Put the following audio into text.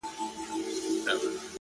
ځكه له يوه جوړه كالو سره راوتي يو.!